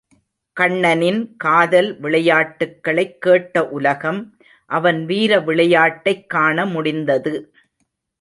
கண்ணனின் காதல் விளையாட்டுக்களைக் கேட்ட உலகம் அவன் வீர விளையாட்டைக் காண முடிந்தது.